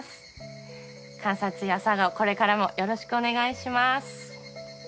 『監察医朝顔』これからもよろしくお願いします。